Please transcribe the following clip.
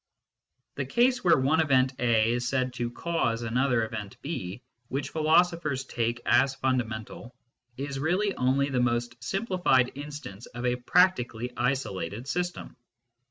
The case where one event A is said to " cause " another event B, which philosophers take as fundamental, is really only the most simplified instance of a practically isolated system.